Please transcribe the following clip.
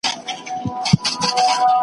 ګټه په تاوان کېږي .